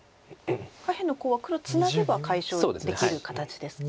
下辺のコウは黒ツナげば解消できる形ですか。